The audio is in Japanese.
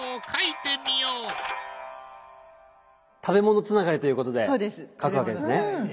食べ物つながりということで描くわけですね。